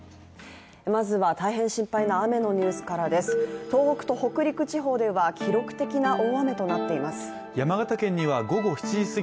まずは大変心配な雨のニュースからです。